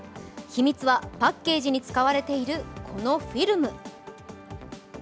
秘密はパッケージに使われているこのフィルム。